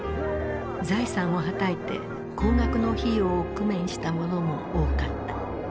財産をはたいて高額の費用を工面した者も多かった。